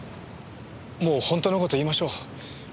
もう本当の事言いましょう。